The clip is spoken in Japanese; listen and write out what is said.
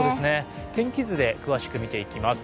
天気図で詳しく見ていきます。